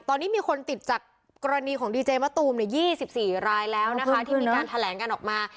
ตอนนี้มีคนติดจากกรณีของดีเจมะตูม๒๔รายแล้วนะคะที่มีการแถลงกันออกมา